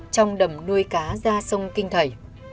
trong đầm nuôi cá ra sông kinh thầy